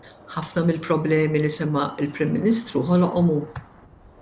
Ħafna mill-problemi li semma l-Prim Ministru ħoloqhom hu.